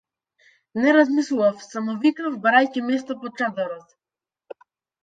Не размислував, само викнав барајќи место под чадорот.